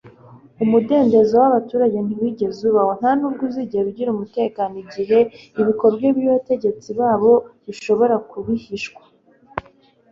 umudendezo w'abaturage ntiwigeze ubaho, nta nubwo uzigera ugira umutekano, igihe ibikorwa by'abategetsi babo bishobora kubihishwa